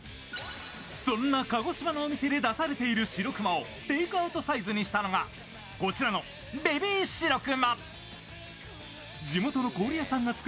そんな鹿児島のお店で出されている白熊をテイクアウトにしたのがこちらのベビー白熊。